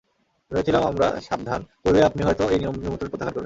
ভেবেছিলাম আমরা সাবধান করলে আপনি হয়তো এই নিমন্ত্রণ প্রত্যাখ্যান করবেন।